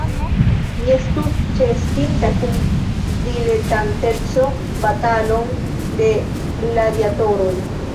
Mi estus ĉeestinta kun diletanteco batalon de gladiatoroj.